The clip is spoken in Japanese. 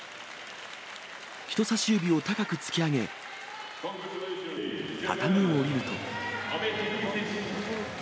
人差し指を高く突き上げ、畳を下りると。